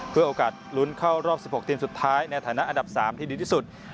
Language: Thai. เพื่อโอกาสลุ้นเข้ารอบ๑๖ทีมสุดท้ายในฐานะอันดับ๓ที่ดีที่สุด